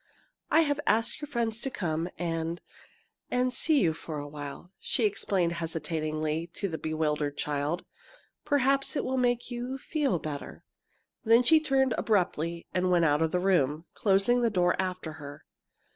"I have asked your friends to come and and see you for a while," she explained hesitatingly to the bewildered child. "Perhaps it will make you feel better." Then she turned abruptly and went out of the room, closing the door after her.